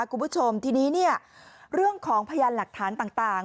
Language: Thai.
คุณผู้ชมทีนี้เนี่ยเรื่องของพยานหลักฐานต่าง